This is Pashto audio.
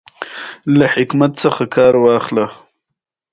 کورس د انساني عقل وده ده.